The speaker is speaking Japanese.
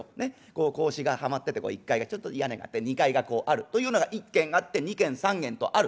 こう格子がはまってて一階がちょっと屋根があって二階があるというようなのが１軒あって２軒３軒とある。